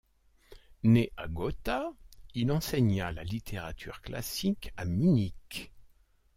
Né à Gotha, il enseigna la littérature classique à Munich.